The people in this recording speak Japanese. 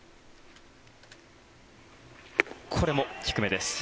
これも低めです。